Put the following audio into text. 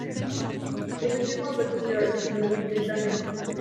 Remettez-moi votre fiole… et ne revenez jamais !